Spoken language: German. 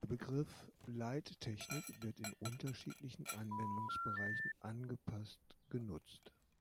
Der Begriff Leittechnik wird in unterschiedlichen Anwendungsbereichen angepasst genutzt.